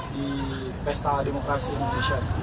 di pesta demokrasi indonesia